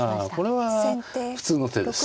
これは普通の手です。